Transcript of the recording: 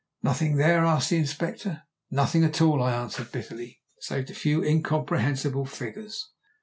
"Nothing there?" asked the Inspector. "Nothing at all," I answered bitterly, "save a few incomprehensible figures."